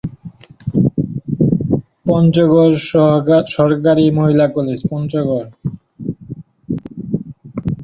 পঞ্চগড় সরকারি মহিলা কলেজ, পঞ্চগড়।